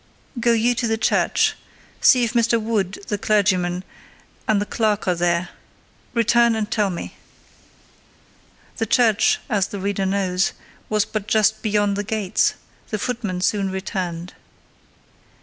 "Go you to the church: see if Mr. Wood (the clergyman) and the clerk are there: return and tell me." The church, as the reader knows, was but just beyond the gates; the footman soon returned.